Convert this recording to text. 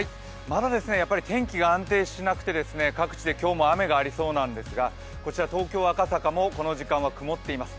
まだ天気が安定しなくて各地で今日も雨がありそうなんですがこちら東京・赤坂もこの時間は曇っています。